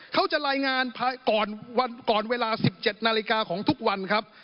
เขาจะรายงานก่อนเวลา๑๗นาฬิกาของทุกวันครับ